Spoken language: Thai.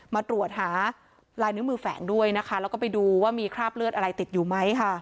มาตรวจหาลายนิ้วมือแฝงด้วยนะคะแล้วก็ไปดูว่ามีคราบเลือดอะไรติดอยู่ไหมค่ะ